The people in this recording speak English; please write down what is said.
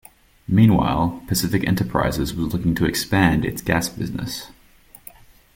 Meanwhile, Pacific Enterprises was looking to expand its gas business.